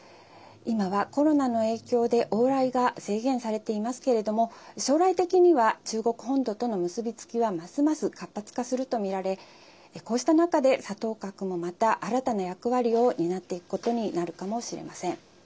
今は、コロナの影響で往来が制限されていますけれども将来的には中国本土との結び付きはますます活発化するとみられこうした中で、沙頭角もまた新たな役割を担っていくことになるかもしれません。